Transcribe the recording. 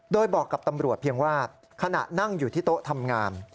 โดยบอกกับตำรวจเพียงว่าขณะนั่งอยู่ที่โต๊ะทำงาน